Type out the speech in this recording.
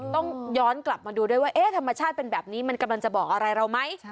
ต้องย้อนกลับมาดูด้วยว่าธรรมชาติเป็นแบบนี้มันกำลังจะบอกอะไรเราไหม